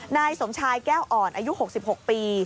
นายสมชายแก้วอ่อนอายุ๖๖ปี